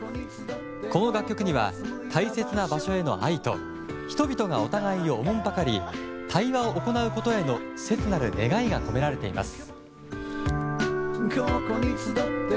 この楽曲には大切な場所への愛と人々がお互いをおもんぱかり対話を行うことへの切なる願いが込められています。